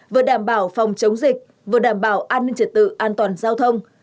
vừa đảm bảo phòng chống dịch vừa đảm bảo an ninh trật tự an toàn giao thông